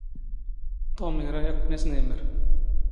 ⵜⵓⵎ ⵉⵔⴰ ⴰⴷ ⴽⵯⵏ ⵉⵙⵏⵉⵎⵎⵔ.